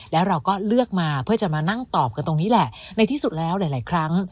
แล้วเราก็เลือกมาเพื่อจะมานั่งตอบกันตรงนี้แหละในที่สุดแล้วหลายครั้ง